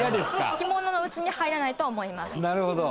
着物のうちに入らないと思います。